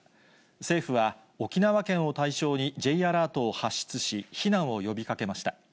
政府は沖縄県を対象に、Ｊアラートを発出し、避難を呼びかけました。